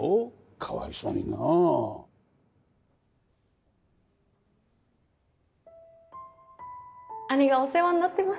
かわいそうにな兄がお世話になってます